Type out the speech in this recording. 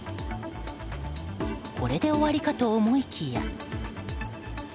これで終わりかと思いきや。